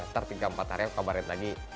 ntar tiga empat hari kabarin lagi